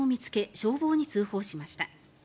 消防に通報しました。